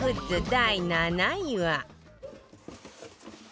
第７位は